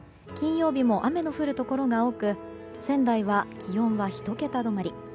金曜日も雨の降るところが多く仙台は気温は１桁止まり。